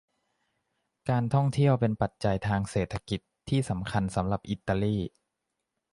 การท่องเที่ยวเป็นปัจจัยทางเศรษฐกิจที่สำคัญสำหรับอิตาลี